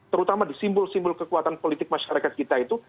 terutama di simbol simbol kekuatan politik masyarakat kita itu